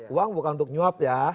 uang bukan untuk nyuap ya